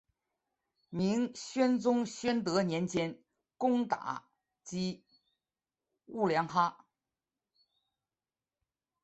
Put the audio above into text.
明宣宗宣德年间攻打击兀良哈。